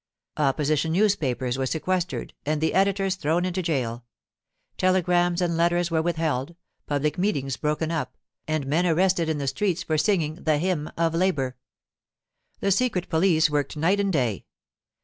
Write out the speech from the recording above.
Opposition newspapers were sequestered and the editors thrown into jail; telegrams and letters were withheld, public meetings broken up, and men arrested in the streets for singing the 'Hymn of Labour.' The secret police worked night and day.